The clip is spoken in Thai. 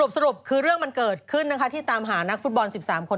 สรุปคือเรื่องมันเกิดขึ้นนะคะที่ตามหานักฟุตบอล๑๓คน